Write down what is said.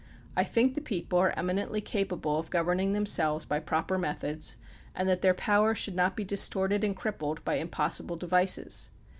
I think the people are eminently capable of governing themselves by proper methods, and that their power should not be distorted and crippled by impossible devices.